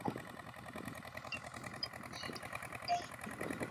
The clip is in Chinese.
陆建章乃开始拉拢并试图收编樊钟秀部。